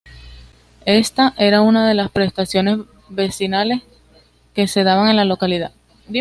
Ésta era una de las prestaciones vecinales que se daban en la localidad.